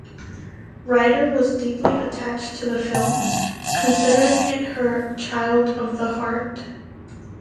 Ryder was deeply attached to the film, considering it her child of the heart.